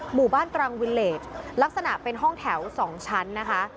หมู่บ้านตรังวิเลสลักษณะเป็นห้องแถว๒ชั้นนะคะ